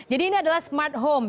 jadi ini adalah smart home